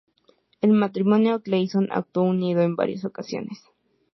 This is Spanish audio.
El matrimonio Gleason actuó unido en varias ocasiones.